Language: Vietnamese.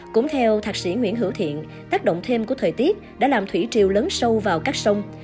cũng theo thạc sĩ nguyễn hữu thiện tác động thêm của thời tiết đã làm thủy triều lớn sâu vào các sông